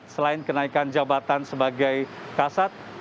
selain kenaikan jabatan sebagai kasat